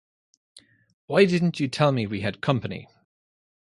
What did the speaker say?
Why didn't you tell me we had company?